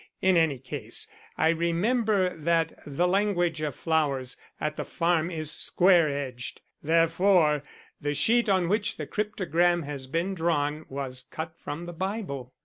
In any case, I remember that The Language of Flowers at the farm is square edged. Therefore the sheet on which the cryptogram has been drawn was cut from the Bible.